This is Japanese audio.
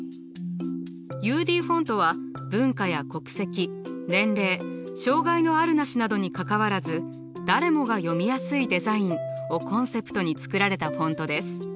ＵＤフォントは文化や国籍年齢障害のあるなしなどにかかわらず誰もが読みやすいデザインをコンセプトに作られたフォントです。